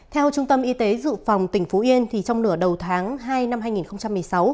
theo trung tâm y tế dự phòng tỉnh phú yên trong nửa đầu tháng hai năm hai nghìn một mươi sáu